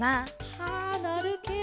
はあなるケロ。